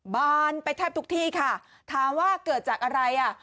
บานไปแทบทุกที่ค่ะถามว่าเกิดจากอะไรอ่ะ